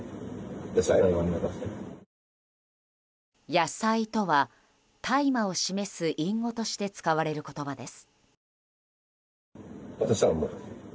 野菜とは大麻を示す隠語として使われる言葉です。